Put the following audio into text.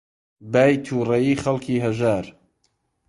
بای تووڕەیی خەڵکی هەژار